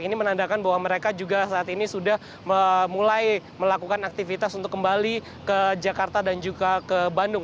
ini menandakan bahwa mereka juga saat ini sudah mulai melakukan aktivitas untuk kembali ke jakarta dan juga ke bandung